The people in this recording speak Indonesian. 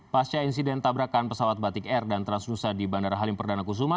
pasca insiden tabrakan pesawat batik air dan transnusa di bandara halim perdana kusuma